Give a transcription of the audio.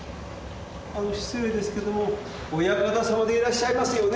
あの失礼ですけどもお館様でいらっしゃいますよね。